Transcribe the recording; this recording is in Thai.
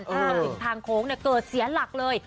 รวมถึงทางโค้งเกิดเสียหลักเลย